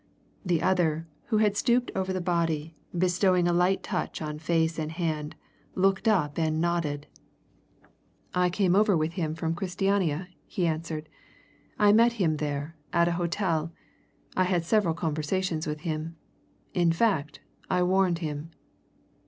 The other, who had stooped over the body, bestowing a light touch on face and hand, looked up and nodded. "I came over with him from Christiania," he answered. "I met him there at a hotel. I had several conversations with him. In fact, I warned him."